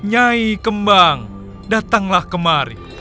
jaih kembang datanglah kemari